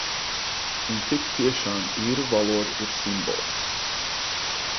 Un tik tiešām īru valoda ir simbols.